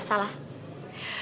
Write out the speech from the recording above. saya lagi ramah